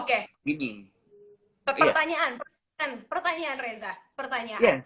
pertanyaan pertanyaan reza pertanyaan